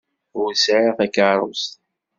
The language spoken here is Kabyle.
Ur sɛiɣ takeṛṛust.